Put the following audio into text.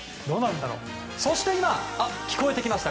そして今、聴こえてきました。